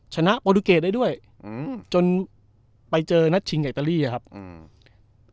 ชนะโปรตูเกตได้ด้วยอืมจนไปเจอนัดชิงอิตาลีอ่ะครับอืม